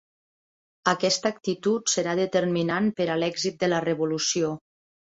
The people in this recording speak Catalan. Aquesta actitud serà determinant per a l'èxit de la revolució.